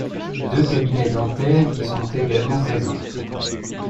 Deux cabinets dentaires y sont également présents.